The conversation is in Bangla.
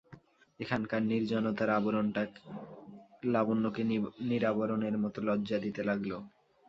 এখানকার নির্জনতার আবরণটাই লাবণ্যকে নিরাবরণের মতো লজ্জা দিতে লাগল।